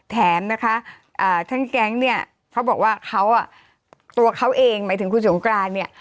แถมทั้งแกงเนี่ยเขาบอกว่าตัวเขาเองหมายถึงคุณสงกรารเนี่ย